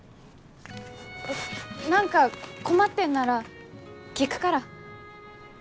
何か困ってんなら聞くから。